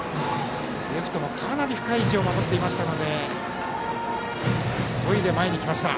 レフトもかなり深い位置を守っていましたので急いで前に来ました。